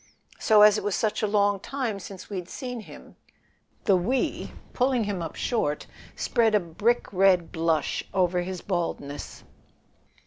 So, as it was such a long time since we'd seen him " The "we," pulling him up short, spread a brick red blush over his baldness.